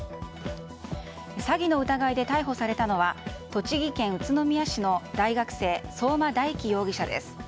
詐欺の疑いで逮捕されたのは栃木県宇都宮市の大学生相馬大輝容疑者です。